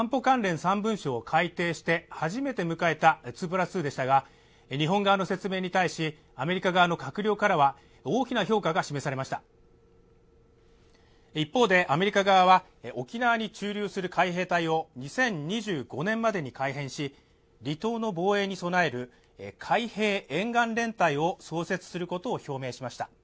３文書を改定して初めて迎えた２プラス２でしたが日本側の説明に対しアメリカ側の閣僚からは大きな評価が示されました一方でアメリカ側は沖縄に駐留する海兵隊を２０２５年までに改編し離島の防衛に備える海兵沿岸連隊を創設することを表明しました